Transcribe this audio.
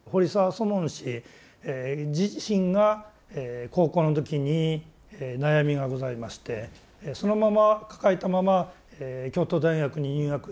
祖門師自身が高校の時に悩みがございましてそのまま抱えたまま京都大学に入学して